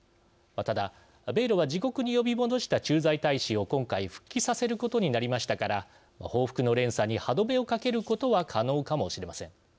ただ、米ロは自国に呼び戻した駐在大使を今回復帰させることで報復の連鎖に歯止めをかけることは可能かもしれません。